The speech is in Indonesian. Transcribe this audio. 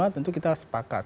tentu kita sepakat